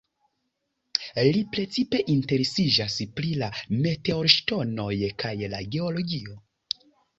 Li precipe interesiĝas pri la meteorŝtonoj kaj la geologio.